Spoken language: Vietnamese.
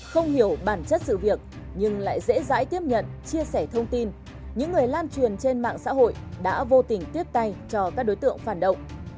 không hiểu bản chất sự việc nhưng lại dễ dãi tiếp nhận chia sẻ thông tin những người lan truyền trên mạng xã hội đã vô tình tiếp tay cho các đối tượng phản động